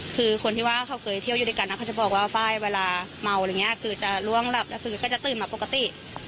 คนที่ว่าเค้าเตยอยู่ด้วยกันก็จะบอกว่าไฟล์เวลาเมาจะล้วนหลับก็จะตื่นมาปกติ